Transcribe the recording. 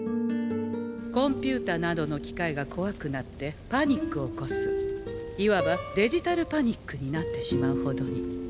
コンピューターなどの機械が怖くなってパニックを起こすいわばデジタルパニックになってしまうほどに。